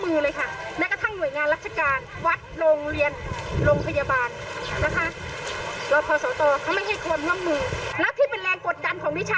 ไม่อยากทำอะไรที่ทำให้คนอื่นเขาเดือดโลนนะคะ